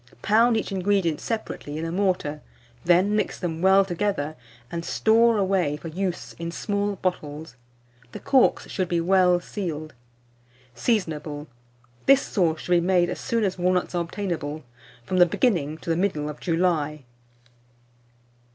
Pound each ingredient separately in a mortar, then mix them well together, and store away for use in small bottles. The corks should be well sealed. Seasonable. This sauce should be made as soon as walnuts are obtainable, from the beginning to the middle of July.